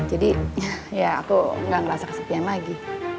jadi ya aku gak ngerasa kesepian lagi